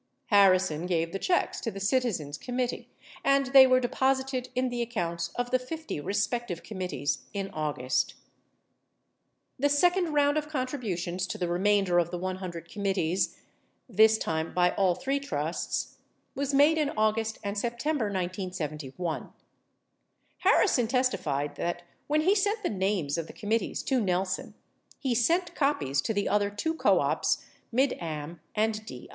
Harri son gave the checks to the Citizens Committee and they w T ere deposited in the accounts of the 50 respective committees in August. The second round of contributions to the remainder of the 100 com mittees — this time by all three trusts — was made in August and Sep tember 1971. Harrison testified that when he sent the names of the committees to Nelson, he sent copies to the other two co ops, Mid Am and HI.